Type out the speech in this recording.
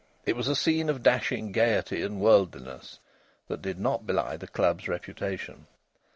It was a scene of dashing gaiety and worldliness that did not belie the club's reputation.